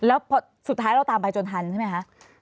แล้วสุดท้ายเราตามไปจนทันใช่ไหมคะ